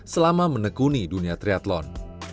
selama menekuni dunia triathlon